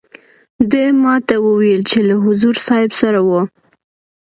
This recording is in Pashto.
ده ما ته وویل چې له حضور صاحب سره وو.